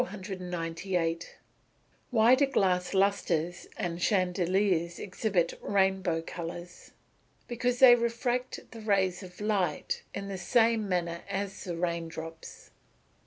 Why do glass lustres and chandeliers exhibit "rainbow colours"? Because they refract the rays of light in the same manner as the rain drops.